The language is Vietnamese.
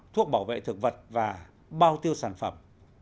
thuốc bảo vệ thực vật và bao tiêu sản phẩm